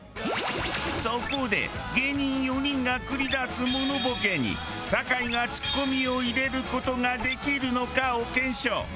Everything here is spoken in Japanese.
そこで芸人４人が繰り出すモノボケに酒井がツッコミを入れる事ができるのかを検証。